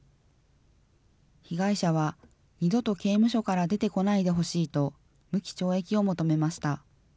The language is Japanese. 被害者は、二度と刑務所から出てこないでほしいと、無期懲役を求めました。